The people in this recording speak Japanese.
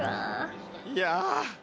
いや。